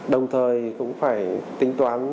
đồng thời cũng phải tính toán